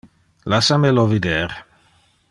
Lassa me lo vider.